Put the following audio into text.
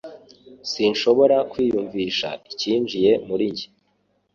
Sinshobora kwiyumvisha icyinjiye muri njye